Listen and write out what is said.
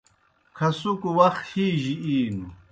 کھسُکوْ وخ ہِیجیْ اِینوْ۔